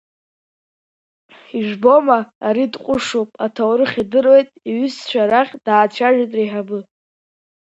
Ижәбома, ари дҟәышуп, аҭоурых идыруеит, иҩызцәа рахь даацәажәеит реиҳабы.